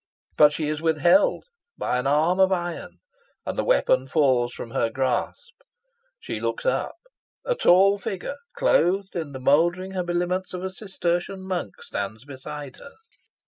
But she is withheld by an arm of iron, and the weapon falls from her grasp. She looks up. A tall figure, clothed in the mouldering habiliments of a Cistertian monk, stands beside her.